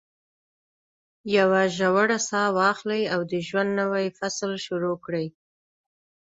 یوه ژوره ساه واخلئ او د ژوند نوی فصل شروع کړئ.